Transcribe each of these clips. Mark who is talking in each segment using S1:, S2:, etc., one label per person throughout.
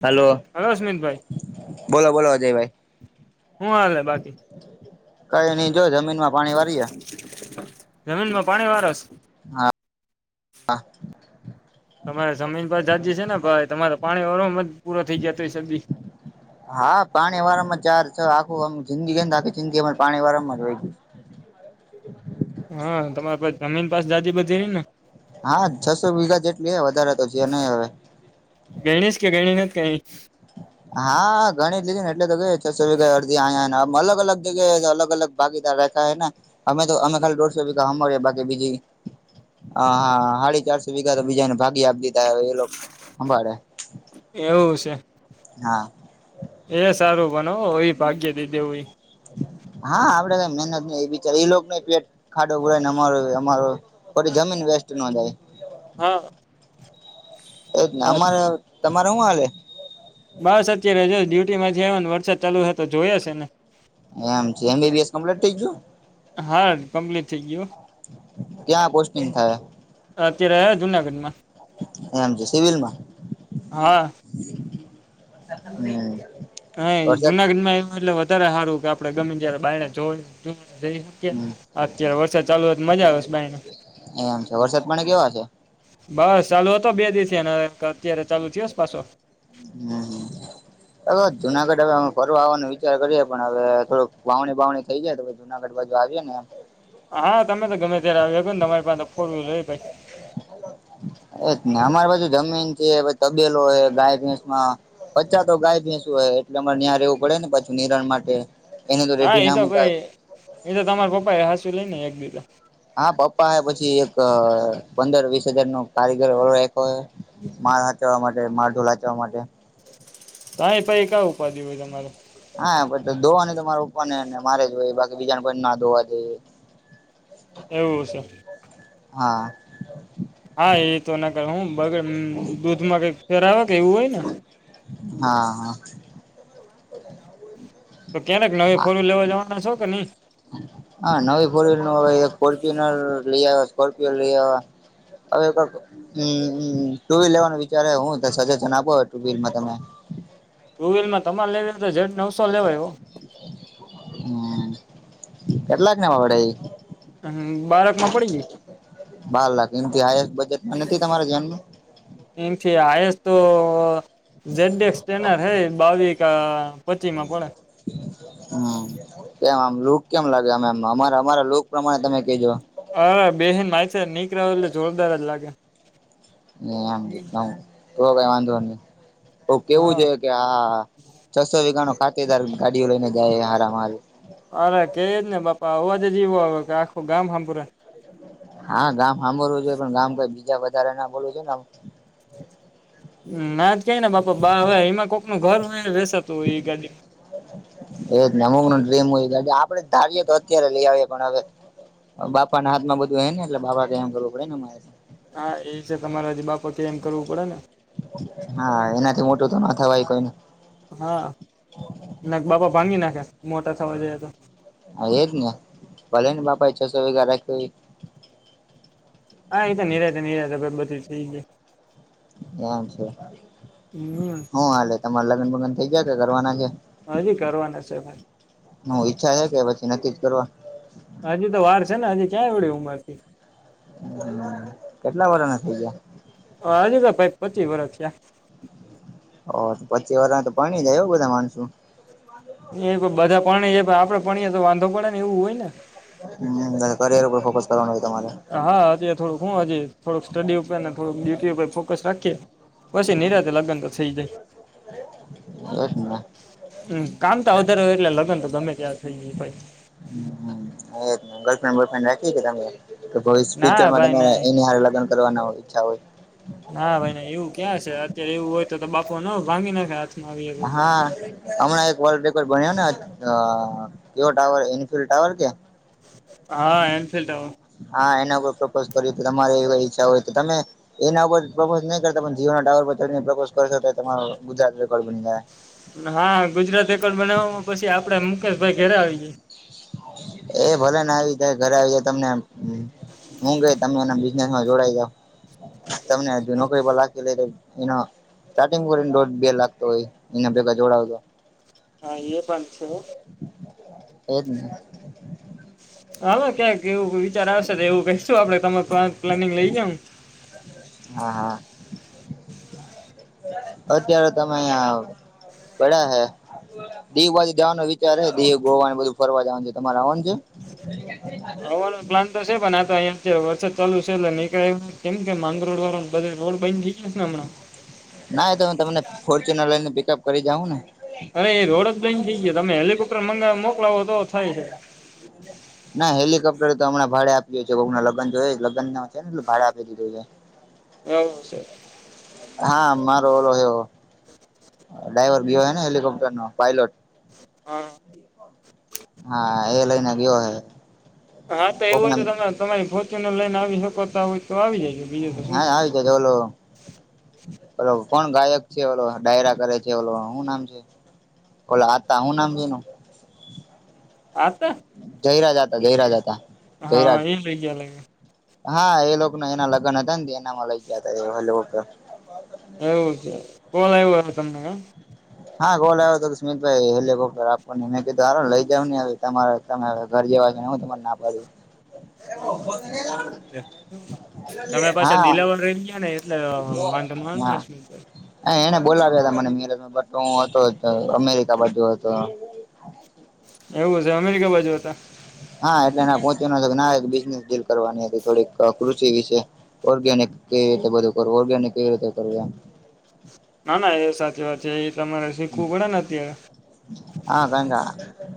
S1: Hello.
S2: હઅ. સ્મિતભાઈ.
S1: બોલો, બોલો, અજયભાઈ.
S2: હું હલે બાકી
S1: કઈ નઈ જો જમીન માં પાણી વારીએ
S2: જમીનમાં પાણી વારો છે તમારે જમીન પર બ છે ને ભાઈ તમારે પાણી વાર જ પૂરો થઈ ગયા શબ
S1: હા પાણી વારંમ જાર આખું જિંદગી કે આખી જિંદગીમાં પાણી વારં જ હોય ગય
S2: હા તમારા પાસે જમીન પાસ દાદી બધી રહી ને
S1: હા છસો વીઘા જેટલી હ વધારે તો છે નહી હવે
S2: ગણીશ કે ગણી નથી કઈ
S1: હા ગણીિત લીધી ને એટલે તો કે છસો વીગા અડધી આયામ અલગ અલગ જગ્યાએ અલગ અલગ બાકીીદાર રખાૈ ને અમે તો અમે ખાલી દોઢસો રૂપિયા કામ બાકી બીજી હ હા સાાડી ચારસો વીઘા તો બીજા ને ભાગી આપી લીધાવે એ લોકો સંભાળે
S2: એવું છે
S1: હા
S2: એ સારું બનોવ એ ભાગ્ય દી દેવું
S1: હા આપડે કઈ મહેનત ન બચ એ ન પેટ ખાડો પુરાય ને અમારો અમારો પડી જમીન વેસ્ટ ન જાય
S2: હા
S1: એજને અમારે તમારે શું હાલે
S2: બસ અત્યારે જો ડ્યુટી માંથી આવ ને વરસાદ ચાલુ થ તો જોઈ હશે ને
S1: એમ છે એમસમ્ટ થઈ ગયું
S2: હા કમ્પ્લીટ થઈ ગયું
S1: ક્યાં પોસ્ટિંગ થાય
S2: અત્યારે જુનાગઢ માં
S1: એમ છે સિવિલમાં
S2: હા
S1: હમ
S2: હા
S1: વરસાદ
S2: જુનાગઢમાં એ એટ વધારે સારું કે આપડણે ગમેીને તયારે બાાયને જો જો જએ
S1: હમ
S2: અત્યારે વરસાદ ચાલુ હોય તો મજા આવે છે ભાઈને
S1: એમ છે વરસાદ પાણી કેવા છે
S2: બસ ચાલુ હતો બે દિવસને અત્યારે ચાલુ થયોસ પાછો
S1: હમ હવે જુનાગઢ હવે અમે ફરવા આવવાનો વિચાર કરીએ પણ હવે થોડું વાવણી વાવણી થઈ જાય તોછ જુનાગઢ બાજુ આવીએ નેમ
S2: હા તમે તો ગમે ત્યારે આવીો ને તમારી પાસે ફોર વ્હીલર હો ભાઈ
S1: એ જ ને અમારી પાછુ જમીન છે તબેલો ગાય ભેંસ માં પચા તો ગાય ભેસવ હોય એટલે અમારે ્યાં રહેવું પડે ને પાછું નિરાણ માટે એને તો
S2: હા
S1: રેઢી
S2: એ
S1: ના
S2: તો
S1: મુકાય
S2: ભાઈ એ તો તમાર પપા એ હંસુ લઈ ને એકબીજા
S1: હા પપ્પા હ પછી એક પંદર વીસ હાજાર નો કારીગર વાળો રા્યો માળ હચવા માટે માળ ઢોલ હાચવા માટે
S2: હ એ પછ કયા ઉપાધિ હોય તમારે
S1: હા પછ તો ધોવા ન તો મારે ઉપર ને મારે જ હોય બાકી બીજાને પણ ના ધોવા જઈએ
S2: એવું છે
S1: હા
S2: હા એ તો ના કર હું બગ દૂધમાં કઈક ફેરવે કે એવું હોય ને
S1: હા
S2: તો ક્યારેક નવી
S1: હા
S2: ફોરું લેવા જવાનું છો કે નહી
S1: હા નવી ફોરવ્હીલ નું હવે એક ફર્ચુન લઈ આવ સ્કોર્પિયો લઈ આવ અવે હમમ ટુ વ્હીલ લેવાનું વિચારે હું સજેશન આપો ટુ વ્હીલમાં તમે
S2: ટુ વ્હીલમાં તમારે લેવીલ તો ઝડ નવસો લેવાય એ
S1: હમ કેટલાકને વડાઈ
S2: હમ બાળક માં પડી ગઈ
S1: બાર લાખ એમથી હાસ્ટ બજેટમાં નથી તમારા ધ્યાનમાં
S2: એમથી આઈસ તો ઝેડક્સ ટ્રેનર હૈ બાવી પચી માં પડે
S1: હમ કેમ આમ લુક કેમ લાગેમ અમા અમારા લુક પ્રમાણે તમે કજો
S2: અરે બેહેન મા છે નીક રહો એટલે જોરદાર જ લાગે
S1: એમ તો કઈ વાંધો નહી કેવું છે
S2: હા
S1: કે હા છસો વીઘા નું ખાતે તાર ગાડીઓ લઈને જાય હરા માર
S2: અરે કે જ ને પપા આવવાજ જીવો આખું ગામ સાંપુરા
S1: હા ગામ સાંભળવું જોઈએ પણ ગામ કઈ બીજા વધારે એ ના બોલું છે
S2: ના જ કય ને બાપા બા હવે હમા કોકનુંું ઘર હોય બેસાતું એ ગાડી
S1: એજને અમુક નું ડ્રીમ હોય ગ આપડે ધારીએ તો અત્યારે લઈ આવીએ પણ હવે બાપા ના હા માં બધું હ ને એટલે બાા એમ કરું પડેને મારે
S2: હા એ છે તમારે હજી બાપ કે એમ કરવું પડે ને
S1: હા એનાથી મોટું તો ના થવાય કોઈ
S2: હા ના બાપા ભાંગી નાખે મોટા થવા જએ તો
S1: હ એજ ને ભલે ને બાપા એ છસો વેગા રાખ
S2: હા ન જત નનીત બધી છેીે
S1: એમ છે
S2: હમ
S1: હું હાલે તમારે લગન ભગન થઇ જાય કે કરવાના છે
S2: હજી કરવાના છે ભ
S1: હું ઈચ્છા છે કે પછી નક્ જ કરવા
S2: હજુ તો વાર છે ને હજે ક્યાંય વળી ઉંમર થી
S1: હમ કેટલા વડાના થઇ ગયા
S2: હ હજુ તો ભાઈ પચી વર્ષ છેયા
S1: ઓ પચી વાર તો પણણી જાય એવું બધા માણસો
S2: એ બધા પણણે આપડે પણણીએ તો વાંધો પડે ને એવું હોય ને
S1: હ કરર ઉપર ફોકસ કરવાનું હોય તમારે
S2: હા અત થોડુંક હું હજી થોડુંક સ્ટડી ઉપર ને થોડક ડ્યુટી ઉપર ફોકસ રાખીએ બસ એ ન રતે લાગગન તો સહી જ
S1: બસ
S2: હમ કામતા વધારે હોય એટલે લગ્ન તો ગમે ત્યાં થઈ જાય ભાઈ
S1: હ ગર્લફ્રેન્ડ બોયફ્રેડ રાખી
S2: ના ભાઈ
S1: તમેયચરમાંમે
S2: ના
S1: એની હ લગન કરવા હો ઈચ્છા હોય
S2: ના ભાઈ એવું ક્યાં છે અત્યારે એવું હોય તો તો બાફો ન ભાંગી નાખ આ
S1: હા હમણાં એક વર્લ્ડ રેકોર્ડ બન્યો ને કેવ ટાવર ન્ફ ટાવર કે
S2: હ એનફિલ્્ટું
S1: હા એના કો પ્રપોઝ કરી તો તમારે એવી ઈચ્છા હોય તો તમે એના ઉપર પ્રપોઝ નહી કરતા જીવ ના ટાવર પર પ્રપોઝ કર તમારો ગુજરાત રેકોર્ડ બન જાય
S2: હા ગુજરાત રેકોર્ડ બનાવમાં પછી આપડે મુકેશભાઈ ઘેરે આવી જ
S1: એ ભલે ને આવી જાય ઘરે આવી જાય તમને હું ગઈ તમે એ હ જોડાઈ જાાવ તમને હજુ નોકરી પર લકી લઈ એના સ્ટાર્ટિંગ કરીને દોઢ બે લાગતો હોય એના ભેગા જોડાવતો
S2: હા એ પં છે
S1: હોર ન
S2: હામાં ક્યાંક એવું વિચાર આવશે તો એવું કશું આપડે તમામે પ્લાનિંગ લઈ જા
S1: હા હા અત્યારે તમે અહં પડ્યા હે દીવ બાજુ જવાનો વિચાર છે, દીવ, ગોવા બધું ફરવા જવાનું છે. તમારે આવવાનું છે? [unintelligible]
S2: આવવાનો પ્લાન તો છે. પણ આ અહંયા જે વરસાદ ચાલુ છે એટલે નીકળે કેમ કે માંગરોડ વાળો બધ રોડ બન છે. છત હ [inaudible] મણા
S1: ના એ તો હું તમને ફોર્ચ્યુનર લઈનને પિકઅપ કરી જાઉં ને
S2: અરે એ રોડ જ બંધ થઈ ગયો, તમે હેલિકોપ્ટર મોકલાવો તો થાય છે.
S1: ના હેલિકપ્ટર તો હણાં ભાડે આપીએ છે કોઈકના લગન જો જ લગ્ન ના છે ને એટલે ભાડે આપી દીધું છે.
S2: હા સર
S1: હા મારો ઓલો એવ ડાઈવર બીયો હ ને હેલિકોપ્ટર નો પાયલોટ
S2: હા
S1: હા એ લઈને ગયો હે.
S2: હા તો એવું હોય
S1: કોકના
S2: તો તમે તમારી ફોરચુને લઈને આવી શકોતા હોય તો આવી જાયજ બીજો તો શું.
S1: કે ચાલો. ઓલો કોણ ગાયક છે, ઓલો ડાયરા કરે છે, ઓલો શું નામ છે.? બોલો આતા હું નામ છે, એનું?
S2: આ તો,
S1: જયરાજા હતા, જયરાજા હતા.
S2: હા એ લઇ ગયા છે.
S1: હા એ લોકો ના એના લગ્ન હતા, ને એનામાં લઈ ગયા હતા, ઓલી હ
S2: એવું છે, કોલ આવવું હ તમને એમ.?
S1: હા ગોલ આવ્યો હતો, સુમિતભાઈ હેલિકોપ્ટર આપવાને મેં કીધું હારું ને લઈ જાવ ને હવે તમારે તમે ઘર જેવા છો, ને હું તમને ના પાડું.
S2: [unintelligible] [inaudible] તમે પાછા
S1: હા
S2: દિલાવર રહી ગયા ને એટલે વાંધો ના આવે.
S1: હ એને બોલાવ્યા હતા, મને મ મેર બ હું હતો અમેરિકા બાજુ હતો.
S2: એવું છે, અમેરિકા બાજુ હતા.?
S1: હા એટલે એના પહોંચવાનો ના બિઝનેસ ડીલ કરવાની હતી, થોડીક કૃષિ વિશે ઓર્ગેનિક કેવી રીતે બધું કરવું ઓર્ગેનિક કેવી રીતે કરવું.?
S2: ના ના એ સાચી વાત છે, એ તમારે શીખવું પડે ને અત્યારે,
S1: હા કંકા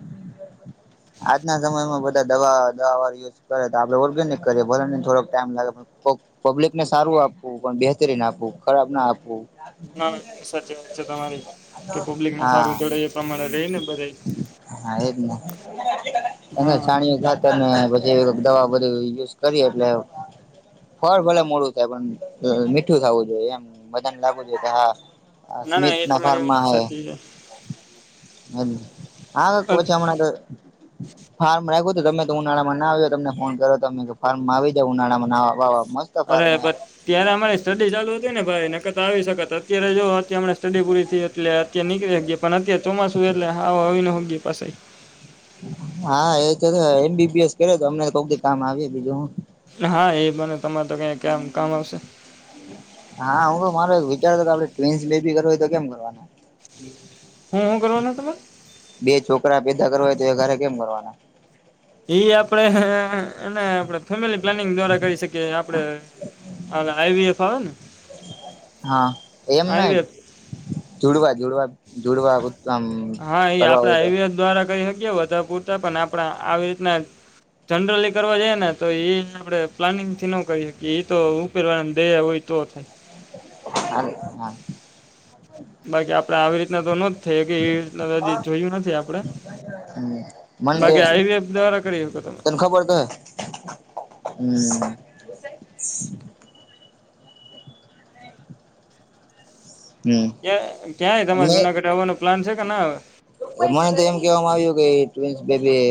S1: [unintelligible] આજના સમયમાં બધા દવા દવા વાળ કરે આપણે ઓર્ગેનિક કરે ભલે ને થોડોક ટાઈમ લાગે પણ પબ્લિક ને સારું આપવું પણ બેહતરીન આપવું, ખરાબ ના આપવું.
S2: સાચી વાત છે, તમારી કે પબ્લિકને
S1: હા
S2: સારું ચડે. પ્રમાણે રહીને બધા
S1: હા
S2: [unintelligible] હા
S1: ખાતરને પછી દવા બધી યુઝ કરી એટલે. ફળ ભલે મોડું થાય પણ મીઠું થાવું જોઈએ એમ બધન લાગવું જોઈએ, કે હા હ સ્મિત
S2: એ
S1: ના
S2: તમારી વાત
S1: ફાર્મા હે.
S2: સાચી છે
S1: હાલો હ કોચમણા.
S2: હું.
S1: ફાર્મ રાખ્યું હતું, તમે તો ઉનાળા માં ના આવ્યો તમને ફોન કરો તમે કે ફાર્મમાં આવી જાવ ઉનાળામાં નાહવા બાવા મસ્ત
S2: અરે
S1: ફાર્મ હે
S2: પછી ત્યારે અમારી સ્ટડી ચાલુ હતી, ને ભાઈ નકર તો આવી શકત અત્યારે જો અત્યારે હણાં સ્ટડી પૂરી થઈ એટલે અત્યારે નીકળી ગયા. પણ અત્યારે ચોમાસું એટલે આવો આવી નો હો ગ્યે પાસે.
S1: હા એ તો એમ બીબીએસ કરો તો અમને તો કામ આવી બીજું હું.
S2: હા એ બને તમારે તો ક્યાંક કામ આવશે.
S1: હા હું મારે વિચારતો કે આપડે ટવિન્સ બેબી કરવું હોય તો કેમ કરવાનું.
S2: હું, હું કરવાના તમે?
S1: બે છોકરા પેદા કરવા, તો એક હારે કેમ કરવાના?
S2: એ આપડે અને આપણે ફેમિલી પ્લાનિંગ દ્વારા કરી શકીએ આપણેે ઓલી આઈવી એફ આવેને?
S1: હા એમ નહીં
S2: આઈવીએફ
S1: જુડવા જોડવા,
S2: હા એ
S1: હોય
S2: આપડા
S1: તો
S2: એવીએફ દ્વારા કહી શકીએ [unintelligible] પૂરતા પણ આપણા આવી રીતના જનરલી કરવા જઈએ, ને તો એ આપણે પ્લાનિંગ થી ન કરી શકીએ, એ તો પહેલા દે હોય તો થાય.
S1: હા હા.
S2: બાકી આપણેે આવી રીતના તો નો થઈ કે એ રીત હ જોયું નથી આપડે.
S1: [unintelligible]
S2: બાકી આઈવીએફ દ્વારા કરી હકો તમે
S1: તને ખબર તો હે હમ્મ [unintelligible] હમ
S2: કયા ક્યાંય તમારે
S1: મે
S2: જુનાગઢ આવવાનો પ્લાન છે કે ના આવેવે
S1: મને તો એમ કેવામાં આવ્યું કે ટ્વિનસ બેબી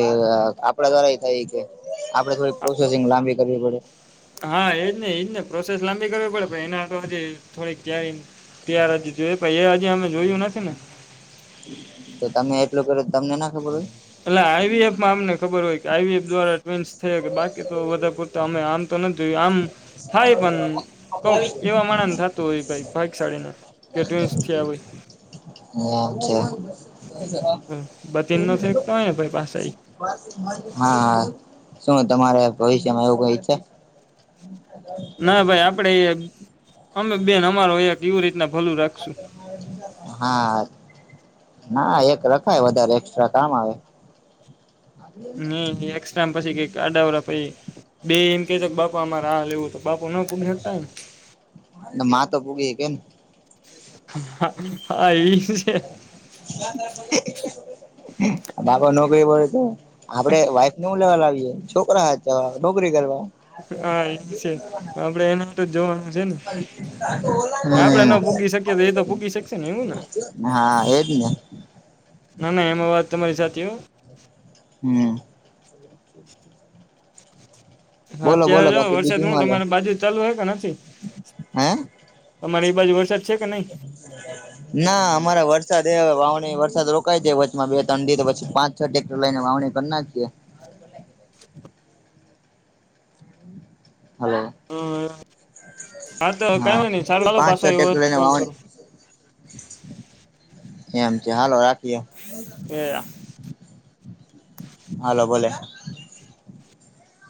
S1: આપડા દ્વારા એ થાય કે આપડે થોડી પ્રોસેસિંગ લાંબી કરવી પડે
S2: હા એજ ને એજ ને પ્રોસેસ લાંબી કરવી પડે પણ ત્યાર હજ જો પાઈ એ હજી અમે જોયું નથી ને
S1: તો તમે એટલું કરો તમને ના ખબર હોય
S2: એટલે આઈવીએફમાં અમને ખબર હોય કે આઈવીએફ દ્વારા ટ્વિન્સ થયે હકે બાકી તો બધા તો અમે આમ તો નથી જોય આમ થાય પણ
S1: હોય
S2: કોક એવા માણહ ને થતું હોય કઈ ભાગશાળીને કે ટ્વિન્સ છે
S1: હ
S2: હ
S1: છે
S2: ને ભઈ પાસા
S1: હા શું તમારે ભવિષ્યમાં એવું કઈ છે [inaudible]
S2: ના ભાઈ આપડે એ અમે બેન અમારો એવી રીતના ભલું રાખશું
S1: હા ના એક રખાય વધારે એક્સ્ટ્રા કામ આવે
S2: ની ઈ એક્સ્ટ્રા મા પછી કઈક અડાાવરા પઈ બે એમ ક કે બાપા અમારે આ લેવું બાપુ નો પુંગી હાંકતા ન
S1: ન મા તો પુગે કેમ
S2: હા ઈ છે
S1: [unintelligible] બાપા નોકરી પડે તો આપડે વાઈફ નેવું લેવા લાવીએે છોકરા વાંચવા નોકરી કરવા
S2: હા ઈ છે આપણે એના તો જોવાનું છે ને આપણે
S1: હમ્મ
S2: ન પૂગી શકીએ એ તો પુગી શકશે એવું ને
S1: હા એ જ ને
S2: ના ના એમાં વાત તમારી સાચી હો
S1: હમ્મ [inaudible] બોલો બોલો
S2: હાત્યારે જ
S1: બાકી
S2: વરસાદ
S1: બીજું
S2: હુ
S1: હું હાલે
S2: તમારી બાજુ ચાલુ હ કે નથી
S1: હે
S2: અમારી એ બાજુ વરસાદ છે કે નહી
S1: ના અમારા વરસાદ એ હ વાવણી વરસાદ રોકાાય છે વચમાં બે ઠંડી પછી પાંચ છટેક્ટર લઈને વાવણી કરી નાીએ હલો
S2: હ હા તો કઈ હોય નહી ચાલો
S1: પાંચ છ
S2: પાછો એવુ હોય
S1: ટ્રેક્ટર
S2: ટી
S1: લઈને
S2: કોલ કરુ
S1: વાવણી એમ કે હાલો રાખીએ
S2: એ
S1: હાલો ભલે